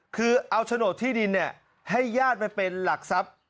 คือเอาโฉนดที่ดินให้ญาติไปเป็นหลักทรัพย์